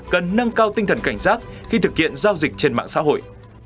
cần nâng cao tinh thần cảnh giác khi thực hiện giao dịch trên mạng xã hội